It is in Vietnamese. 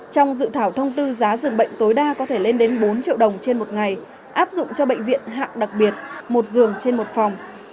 trong dự thảo thông tư giá dường bệnh tối đa có thể lên đến bốn triệu đồng trên một ngày áp dụng cho bệnh viện hạng đặc biệt một giường trên một phòng